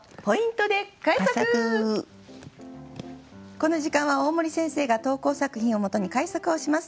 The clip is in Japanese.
この時間は大森先生が投稿作品を元に改作をします。